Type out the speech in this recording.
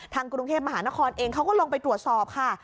กรุงเทพมหานครเองเขาก็ลงไปตรวจสอบค่ะ